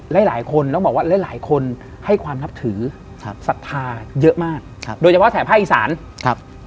หลายคนต้องบอกว่าหลายหลายคนให้ความนับถือครับศรัทธาเยอะมากครับโดยเฉพาะแถบภาคอีสานครับ